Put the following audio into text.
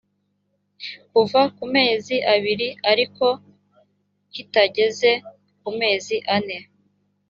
kuva ku mezi abiri ariko kitageze ku mezi ane